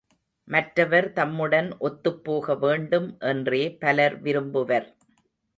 மற்றவர் தம்முடன் ஒத்துப்போக வேண்டும் என்றே பலர் விரும்புவர்.